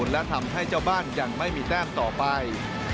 และทำให้เจ้าบ้านยังไม่มีแต้มต่อไป